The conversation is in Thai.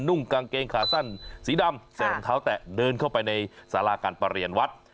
่งกางเกงขาสั้นสีดำเสริมเท้าแตะเดินเข้าไปในสาราการประเรียนวัด